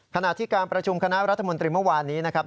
ขณะที่การประชุมคณะรัฐมนตรีเมื่อวานนี้นะครับ